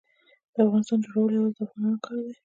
د افغانستان جوړول یوازې د افغانانو کار دی.